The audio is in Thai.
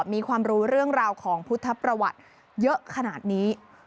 มีความรู้เรื่องราวของพุทธประวัติเยอะขนาดนี้